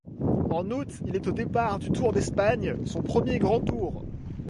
En août, il est au départ du Tour d'Espagne, son premier grand tour.